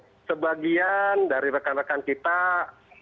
ya memang sebagian dari rekan rekan kita menetapkan